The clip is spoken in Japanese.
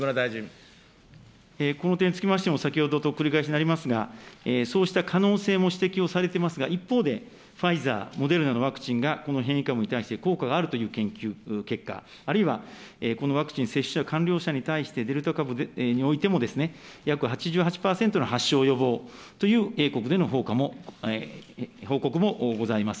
この点につきましても、先ほどと繰り返しになりますが、そうした可能性も指摘をされてますが、一方で、ファイザー、モデルナのワクチンが、この変異株に対して効果があるという研究結果、あるいはこのワクチン接種完了者において、デルタ株においても約８８％の発症予防という英国での報告もございます。